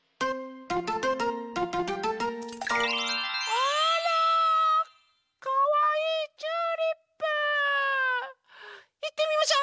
あらかわいいチューリップ！いってみましょ！